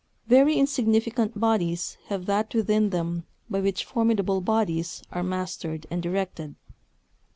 Very insignificant bodies have that within them by which formidable bodies are mastered and directed.